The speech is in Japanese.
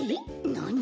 なに？